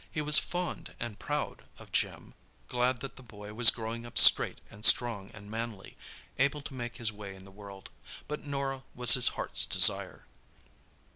He was fond and proud of Jim—glad that the boy was growing up straight and strong and manly, able to make his way in the world. But Norah was his heart's desire.